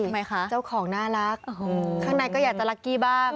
ไหมคะเจ้าของน่ารักข้างในก็อยากจะลักกี้บ้าง